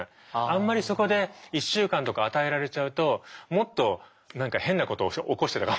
あんまりそこで１週間とか与えられちゃうともっと何か変なことを起こしてたかもしれないので。